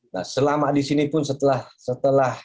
nah selama di sini pun setelah